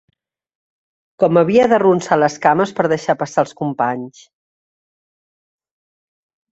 Com havia d'arronsar les cames per deixar passar els companys